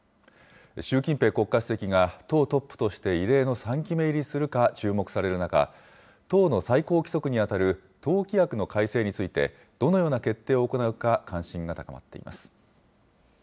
習近平国家主席が党トップとして異例の３期目入りするか注目される中、党の最高規則に当たる党規約の改正について、どのような決定を行うか、関心が高まっています。